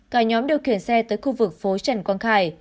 cả nhóm điều khiển xe tới khu vực phố trần quang khải